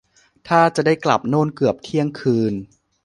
ท่าจะได้กลับโน่นเกือบเที่ยงคืน